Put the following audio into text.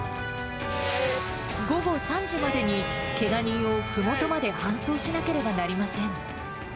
午後３時までに、けが人をふもとまで搬送しなければなりません。